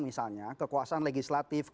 misalnya kekuasaan legislatif